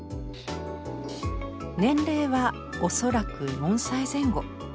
年齢はおそらく４歳前後。